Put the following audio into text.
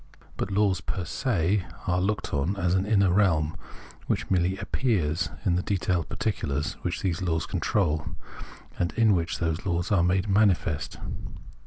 But laws pej se are looked on as an inner realm, which merely "appears" in the detailed particulars which those laws control, and in which those laws are made manifest.